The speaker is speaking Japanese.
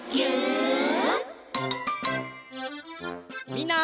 みんな。